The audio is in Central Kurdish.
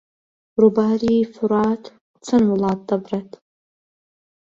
ڕووباری فورات چەند وڵات دەبڕێت؟